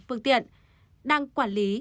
phương tiện đang quản lý